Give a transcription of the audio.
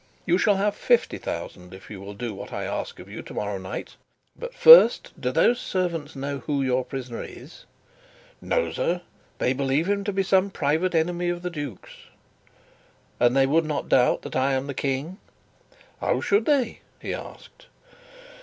"You shall have fifty thousand if you will do what I ask of you tomorrow night. But, first, do those servants know who your prisoner is?" "No, sir. They believe him to be some private enemy of the duke's." "And they would not doubt that I am the King?" "How should they?" he asked.